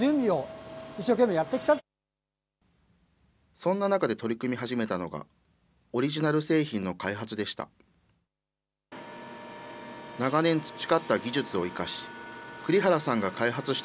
そんな中で取り組み始めたのが、オリジナル製品の開発でした。